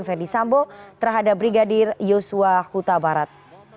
verdi sambo terhadap brigadir yusua kuta barat